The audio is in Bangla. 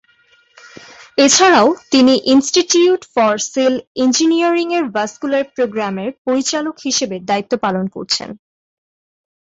এছাড়াও তিনি ইনস্টিটিউট ফর সেল ইঞ্জিনিয়ারিংয়ে ভাস্কুলার প্রোগ্রামের পরিচালক হিসেবে দায়িত্ব পালন করছেন।